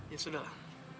ya sudah lah